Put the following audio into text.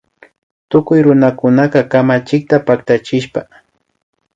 Tukuy runakuna kamachikta paktachishpa